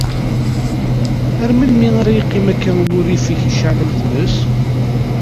Ar melmi ara yeqqim akka wurrif-ik icɛel am tmes?